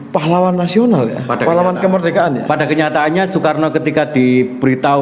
pahlawan nasional ya pada pahlawan kemerdekaan pada kenyataannya soekarno ketika diberitahu